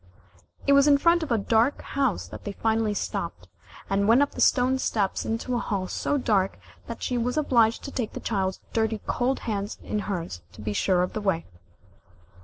It was in front of a dark house that they finally stopped, and went up the stone steps into a hall so dark that she was obliged to take the child's dirty cold hands in hers to be sure of the way.